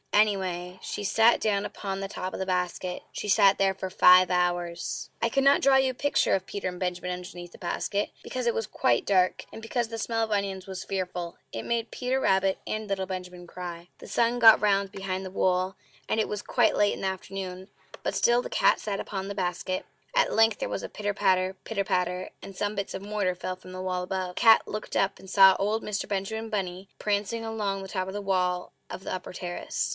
Anyway, she sat down upon the top of the basket. She sat there for FIVE HOURS. I cannot draw you a picture of Peter and Benjamin underneath the basket, because it was quite dark, and because the smell of onions was fearful; it made Peter Rabbit and little Benjamin cry. The sun got round behind the wood, and it was quite late in the afternoon; but still the cat sat upon the basket. At length there was a pitter patter, pitter patter, and some bits of mortar fell from the wall above. The cat looked up and saw old Mr. Benjamin Bunny prancing along the top of the wall of the upper terrace.